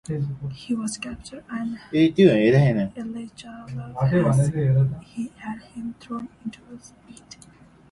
He was captured, and Iziaslav had him thrown into a pit.